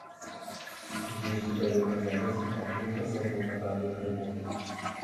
Дзесьці далёка за лесам глуха загрукаталі грымоты.